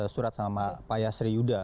surat sama pak yasri yuda